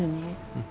うん。